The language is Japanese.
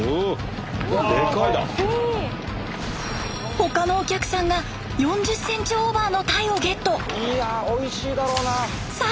他のお客さんが４０センチオーバーの鯛をゲット！